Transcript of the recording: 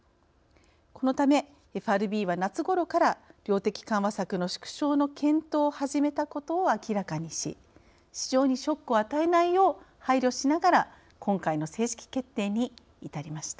このためＦＲＢは夏ごろから量的緩和策の縮小の検討を始めたことを明らかにし市場にショックを与えないよう配慮しながら今回の正式決定に至りました。